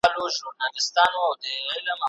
زاهدان هيڅ نه کوي